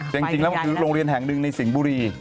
แต่จริงแล้วมันคือโรงเรียนแห่งหนึ่งในสิงห์บุรี